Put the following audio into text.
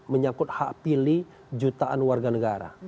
menyangkut hak pilih jutaan warga negara